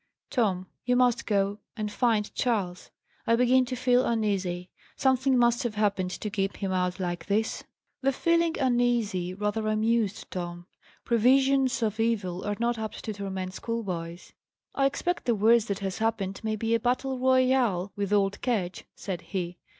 "Tom, you must go and find Charles. I begin to feel uneasy. Something must have happened, to keep him out like this." The feeling "uneasy" rather amused Tom. Previsions of evil are not apt to torment schoolboys. "I expect the worst that has happened may be a battle royal with old Ketch," said he.